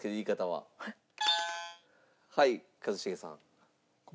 はい一茂さん。